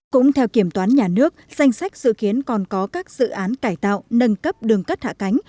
cũng theo kiểm toán nhà nước danh sách dự kiến còn có các dự án cải tạo nâng cấp đường cất hạ cánh